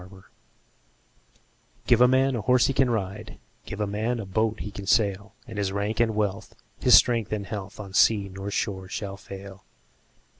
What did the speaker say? Gifts GIVE a man a horse he can ride, Give a man a boat he can sail; And his rank and wealth, his strength and health, On sea nor shore shall fail.